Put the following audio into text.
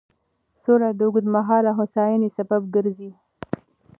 سوله د اوږدمهاله هوساینې سبب ګرځي.